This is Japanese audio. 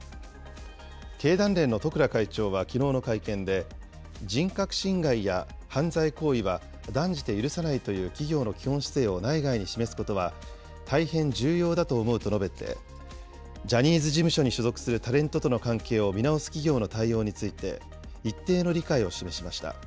経団連の十倉会長はきのうの会見で、人格侵害や犯罪行為は断じて許さないという企業の基本姿勢を内外に示すことは、大変重要だと思うと述べて、ジャニーズ事務所に所属するタレントとの関係を見直す企業の対応について、一定の理解を示しました。